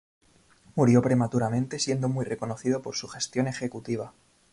Murió prematuramente, siendo muy reconocido por su gestión ejecutiva.